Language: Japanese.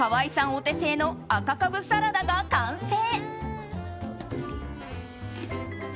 お手製の赤カブサラダが完成。